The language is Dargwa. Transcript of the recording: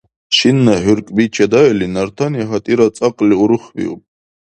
Шинна хӀуркӀби чедаили, нартани гьатӀира цӀакьли урухбиуб.